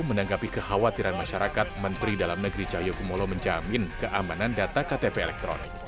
menanggapi kekhawatiran masyarakat menteri dalam negeri cahyokumolo menjamin keamanan data ktp elektronik